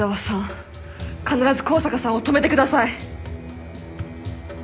必ず香坂さんを止めてください。